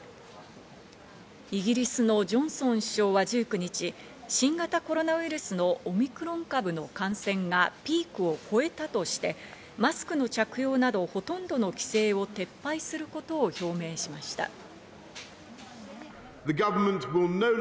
イギリスのジョンソン首相は１９日、新型コロナウイルスのオミクロン株の感染がピークを越えたとして、マスクの着用などほとんどの規制を撤廃することを表明しました。